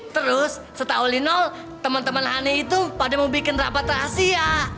terus setau linol temen temen honey itu pada mau bikin rapat rahasia